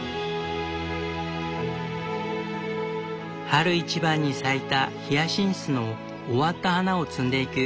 春一番に咲いたヒヤシンスの終わった花を摘んでいく。